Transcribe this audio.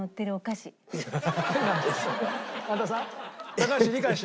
高橋理解しろ。